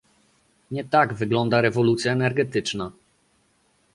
Nie tak wygląda rewolucja energetyczna